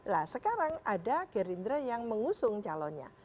nah sekarang ada gerindra yang mengusung calonnya